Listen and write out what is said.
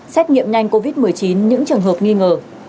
xét nghiệm nhanh covid một mươi chín những trường hợp nghi ngờ